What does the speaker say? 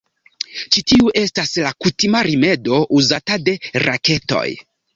Ĉi tiu estas la kutima rimedo uzata de raketoj.